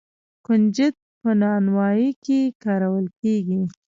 کنجد په نانوايۍ کې کارول کیږي.